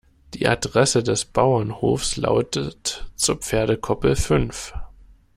Die Adresse des Bauernhofes lautet zur Pferdekoppel fünf.